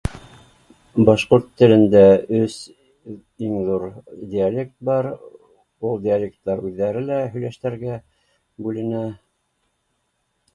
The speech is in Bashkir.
Башҡорт телендә өс иң ҙур диалект бар ул диалекттар үҙҙәре лә һөйләштәргә бүленә